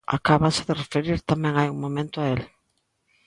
Acábanse de referir tamén hai un momento a el.